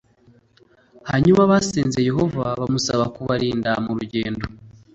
hanyuma basenze yehova bamusaba kubarinda mu rugendo